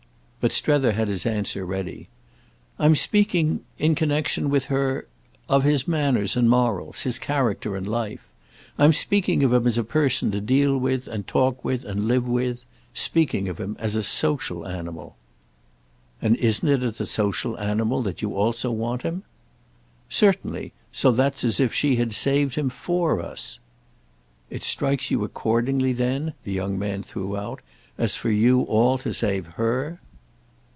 But Strether had his answer ready. "I'm speaking—in connexion with her—of his manners and morals, his character and life. I'm speaking of him as a person to deal with and talk with and live with—speaking of him as a social animal." "And isn't it as a social animal that you also want him?" "Certainly; so that it's as if she had saved him for us." "It strikes you accordingly then," the young man threw out, "as for you all to save _her?